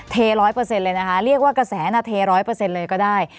เทร้อยเปอร์เซ็นต์เลยนะคะเรียกว่ากระแสนะเทร้อยเปอร์เซ็นต์เลยก็ได้